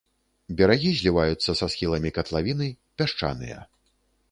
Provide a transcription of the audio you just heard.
Берагі зліваюцца са схіламі катлавіны, пясчаныя.